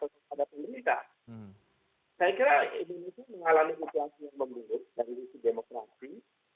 saya kira ini mengalami usia yang membutuhkan dari usia demokrasi